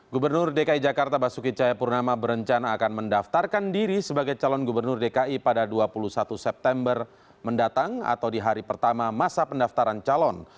gubernur dki jakarta basuki cahayapurnama berencana akan mendaftarkan diri sebagai calon gubernur dki pada dua puluh satu september mendatang atau di hari pertama masa pendaftaran calon